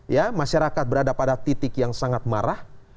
ya masyarakat berada pada titik yang sangat marah